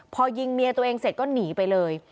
พอยิงเนื้อตัวเองเองก็หนีไปเลย